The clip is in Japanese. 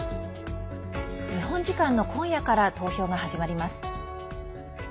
日本時間の今夜から投票が始まります。